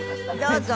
どうぞ。